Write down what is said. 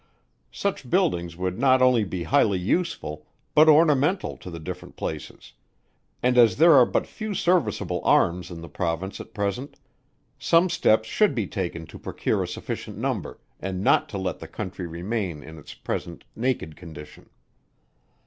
Such buildings would not only be highly useful, but ornamental to the different places: and as there are but few serviceable arms in the Province at present, some steps should be taken to procure a sufficient number, and not to let the country remain in its present naked condition.